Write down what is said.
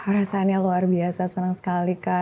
perasaannya luar biasa senang sekali kak